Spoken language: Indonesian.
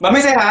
mbak mi sehat